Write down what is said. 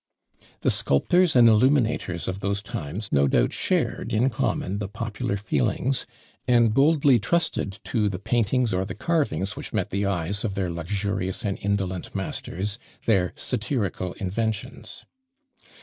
The sculptors and illuminators of those times no doubt shared in common the popular feelings, and boldly trusted to the paintings or the carvings which met the eyes of their luxurious and indolent masters their satirical inventions.